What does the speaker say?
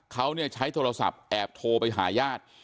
เขาเนี่ยใช้โทรศัพท์แอบโทรไปหายาท